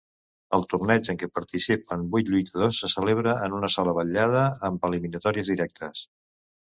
El torneig, en què participen vuit lluitadors, se celebra en una sola vetllada amb eliminatòries directes.